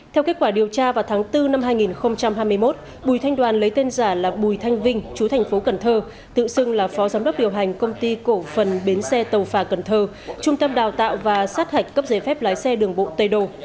theo kết quả điều tra vào tháng bốn năm hai nghìn hai mươi một bùi thanh đoàn lấy tên giả là bùi thanh vinh chú thành phố cần thơ tự xưng là phó giám đốc điều hành công ty cổ phần bến xe tàu phà cần thơ trung tâm đào tạo và sát hạch cấp giấy phép lái xe đường bộ tây đồ